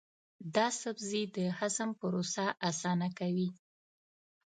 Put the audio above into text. دا سبزی د هضم پروسه اسانه کوي.